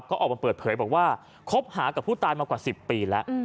ก็ออกมาเปิดเผยบอกว่าคบหากับผู้ตายมากว่า๑๐ปีแล้ว